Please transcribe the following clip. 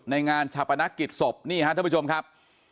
ในงานชพนครกิจศพนี่เห้อท่านผู้ชมครับ